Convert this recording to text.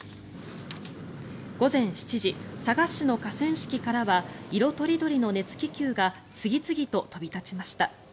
午前７時佐賀市の河川敷からは色とりどりの熱気球が次々と飛び立ちました。